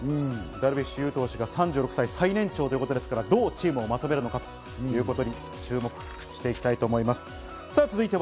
ダルビッシュ有投手が３６歳最年長、どうチームをまとめるのかというところにも注目してみたいと思います。